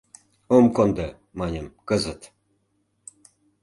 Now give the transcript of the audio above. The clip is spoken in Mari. Ом кондо, маньым, кызыт...